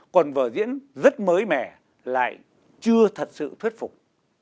còn vở diễn rất mới mẻ lại chưa thật sự thuyết phục